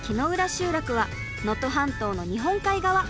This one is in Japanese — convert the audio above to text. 集落は能登半島の日本海側。